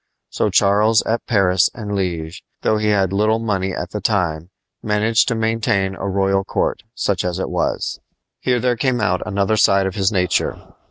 So Charles at Paris and Liege, though he had little money at the time, managed to maintain a royal court, such as it was. Here there came out another side of his nature.